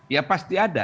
ya pasti ada